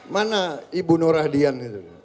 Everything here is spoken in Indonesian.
mana ibu norah dian